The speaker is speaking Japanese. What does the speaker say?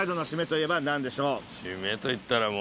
シメといったらもう。